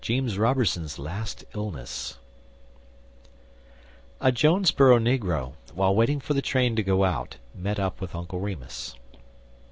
JEEMS ROBER'SON'S LAST ILLNESS A Jonesboro negro, while waiting for the train to go out, met up with Uncle Remus.